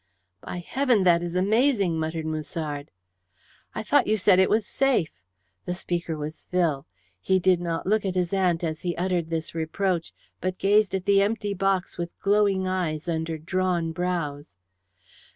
"By heaven, this is amazing," muttered Musard. "I thought you said it was safe?" The speaker was Phil. He did not look at his aunt as he uttered this reproach, but gazed at the empty box with glowing eyes under drawn brows.